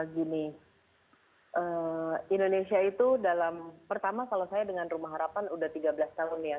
gini indonesia itu dalam pertama kalau saya dengan rumah harapan udah tiga belas tahun ya